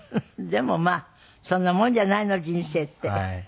でもまあそんなもんじゃないの人生って。